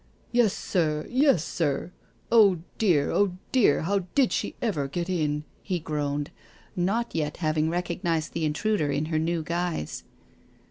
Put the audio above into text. " Yes, sir— yes, sir. Oh dear, oh dear, how did she ever get in?*' he groaned, not yet having recognised the intruder in her new guise.